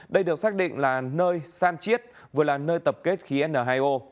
đây được xác định là nơi san chiết vừa là nơi tập kết khí n hai o